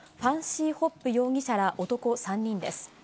・シー・ホップ容疑者ら男３人です。